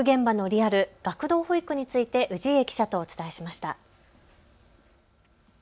保育現場のリアル、学童保育について氏家記者とお伝えしました。